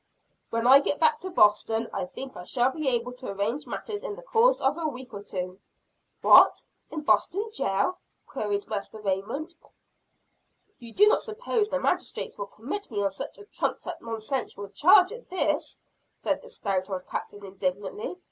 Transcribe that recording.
"When I get back to Boston, I think I shall be able to arrange matters in the course of a week or two." "What in Boston jail?" queried Master Raymond. "You do not suppose the magistrates will commit me on such a trumped up nonsensical charge as this?" said the stout old captain indignantly.